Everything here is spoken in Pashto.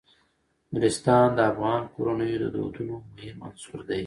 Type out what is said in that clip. نورستان د افغان کورنیو د دودونو مهم عنصر دی.